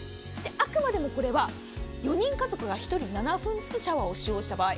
あくまでもこれは４人家族が１人７分ずつシャワーを使用した場合。